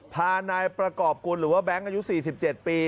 พานายประกอบกุลหรือว่าแบงค์อายุ๔๗ปี